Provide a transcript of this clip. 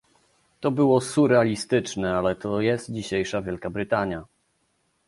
To było surrealistyczne, ale to jest dzisiejsza Wielka Brytania